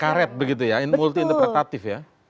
karet begitu ya multi interpretatif ya